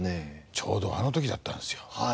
ちょうどあの時だったんですよ。